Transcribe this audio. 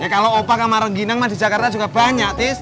ya kalau opak sama rengginang di jakarta juga banyak tis